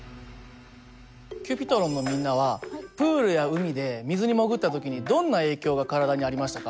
Ｃｕｐｉｔｒｏｎのみんなはプールや海で水に潜った時にどんな影響が体にありましたか？